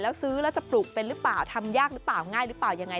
แล้วซื้อแล้วจะปลูกเป็นหรือเปล่าทำยากหรือเปล่าง่ายหรือเปล่ายังไง